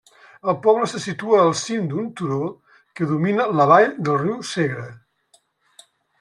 El poble se situa al cim d'un turó que domina la vall del riu Segre.